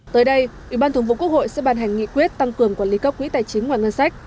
tới đây ủy ban thường vụ quốc hội sẽ ban hành nghị quyết tăng cường quản lý các quỹ tài chính ngoài ngân sách